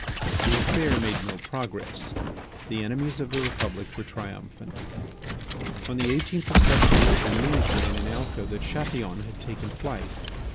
The affair made no progress. The enemies of the Republic were triumphant. On the eighteenth of September the news ran in Alca that Chatillon had taken flight.